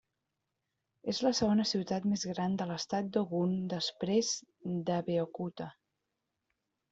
És la segona ciutat més gran de l'estat d'Ogun després d'Abeokuta.